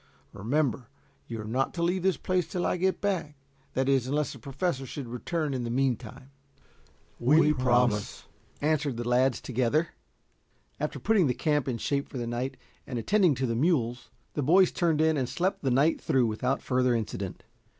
Remember, you are not to leave this place till I get back that is, unless the Professor should return in the meantime." "We promise," answered the lads together. After putting the camp in shape for the night and attending to the mules the boys turned in and slept the night through without further incident.